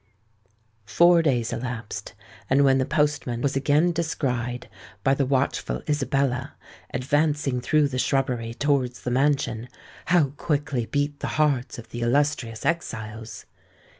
Four days elapsed; and when the postman was again descried by the watchful Isabella advancing through the shrubbery towards the mansion, how quickly beat the hearts of the illustrious exiles!